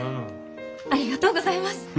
ありがとうございます。